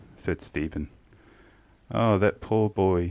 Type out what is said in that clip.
ŌĆØ said Stephen. ŌĆ£Ah, that pore boy!